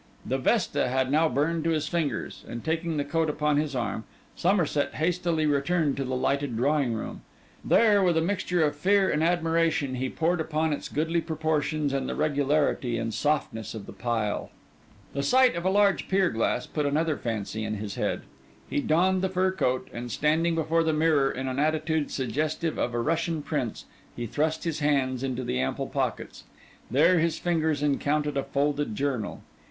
The vesta had now burned to his fingers; and taking the coat upon his arm, Somerset hastily returned to the lighted drawing room. There, with a mixture of fear and admiration, he pored upon its goodly proportions and the regularity and softness of the pile. The sight of a large pier glass put another fancy in his head. He donned the fur coat; and standing before the mirror in an attitude suggestive of a Russian prince, he thrust his hands into the ample pockets. There his fingers encountered a folded journal.